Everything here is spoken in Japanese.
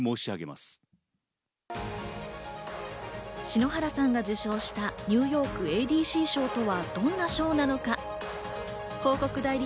篠原さんが受賞したニューヨークＡＤＣ賞とはどんな賞なのか？